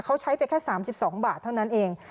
เขาใช้ไปแค่สามสิบสองบาทเท่านั้นเอง